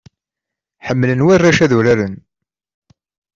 Ḥemmlen warrac ad uraren.